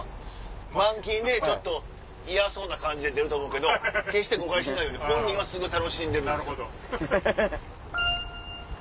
マンキンで嫌そうな感じで出ると思うけど決して誤解しないように本人はすごい楽しんでるんです。